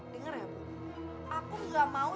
dengar ya bu aku nggak mau